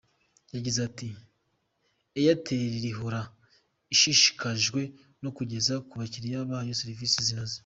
Yagize ati “Airtelihora ishishikajwe no kugeza ku bakiriya bayo serivisi zinoze.